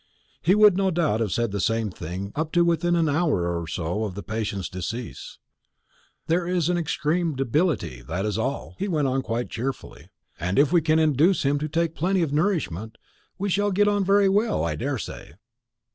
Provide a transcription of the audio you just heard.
He would no doubt have said the same thing up to within an hour or so of the patient's decease. "There is an extreme debility, that is all," he went on quite cheerfully; "and if we can induce him to take plenty of nourishment, we shall get on very well, I daresay."